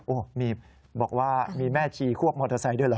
โอ้โหนี่บอกว่ามีแม่ชีควบมอเตอร์ไซค์ด้วยเหรอ